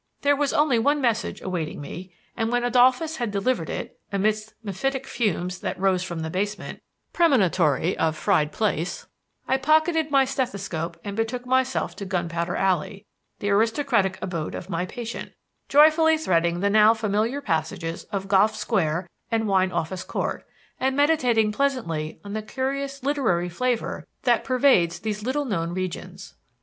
There was only one message awaiting me, and when Adolphus had delivered it (amidst mephitic fumes that rose from the basement, premonitory of fried plaice), I pocketed my stethoscope and betook myself to Gunpowder Alley, the aristocratic abode of my patient, joyfully threading the now familiar passages of Gough Square and Wine Office Court, and meditating pleasantly on the curious literary flavor that pervades these little known regions.